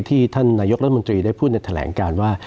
ท่านนายกรัฐมนตรีได้พูดในแถลงการว่า